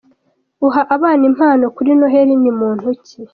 uha abana impano kuri Noheli ni muntu ki?